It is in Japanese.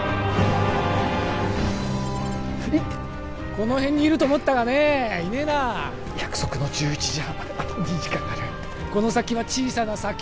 この辺にいると思ったがねいねえな約束の１１時半まであと２時間あるこの先は小さな砂丘